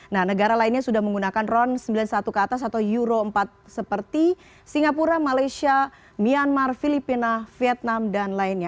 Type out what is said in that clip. nah negara lainnya sudah menggunakan ron sembilan puluh satu ke atas atau euro empat seperti singapura malaysia myanmar filipina vietnam dan lainnya